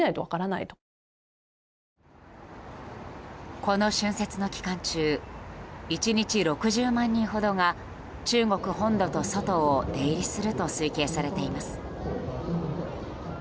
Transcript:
この春節の期間中１日６０万人ほどが中国本土と外を出入りすると推計されています。